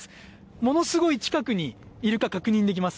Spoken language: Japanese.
ものすごい近くにイルカ、確認できます。